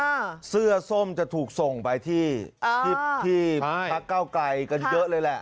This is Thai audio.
ถ้าจากนี้เสื้อส้มจะถูกส่งไปที่พรรคกล้าวไกลกันเยอะแล้ว